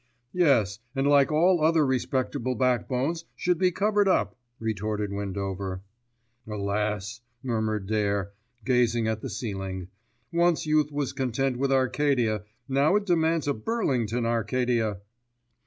"Yes, and like all other respectable backbones should be covered up," retorted Windover. "Alas!" murmured Dare, gazing at the ceiling. "Once youth was content with Arcadia, now it demands a Burlington Arcadia."